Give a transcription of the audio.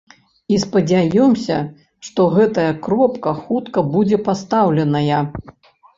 І, спадзяёмся, што гэтая кропка хутка будзе пастаўленая.